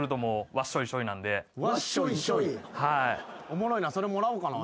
おもろいな。